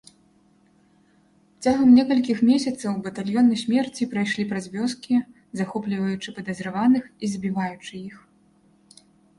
Цягам некалькіх месяцаў батальёны смерці прайшлі праз вёскі, захопліваючы падазраваных і забіваючы іх.